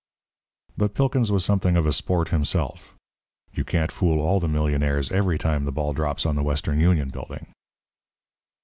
But Pilkins was something of a sport himself. You can't fool all the millionaires every time the ball drops on the Western Union Building.